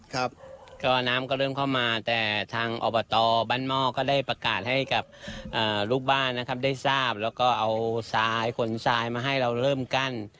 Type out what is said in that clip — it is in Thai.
ครับก็น้ำก็เริ่มเข้ามาแต่ทางอบตบ้านหม้อก็ได้ประกาศให้กับลูกบ้านนะครับได้ทราบแล้วก็เอาทรายขนทรายมาให้เราเริ่มกั้น